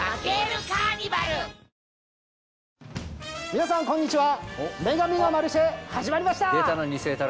皆さんこんにちは『女神のマルシェ』始まりました！